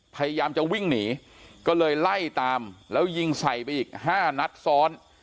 พยายามจะวิ่งหนีก็เลยไล่ตามแล้วยิงใส่ไปอีก๕นัดซ้อน